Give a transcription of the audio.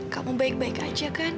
kamu baik baik aja kan